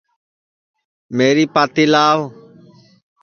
میری پاتی لاو